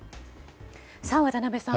渡辺さん